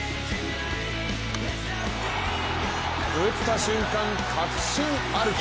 打った瞬間、確信歩き。